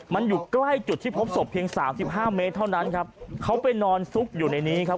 มันอยู่ใกล้จุดที่พบศพเพียงสามสิบห้าเมตรเท่านั้นครับเขาไปนอนซุกอยู่ในนี้ครับ